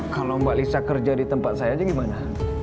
kalau mbak lisa kerja di tempat saya aja gimana